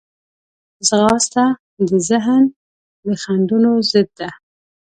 ځغاسته د ذهن د خنډونو ضد ده